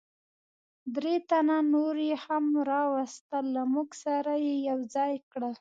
درې تنه نور یې هم را وستل، له موږ سره یې یو ځای کړل.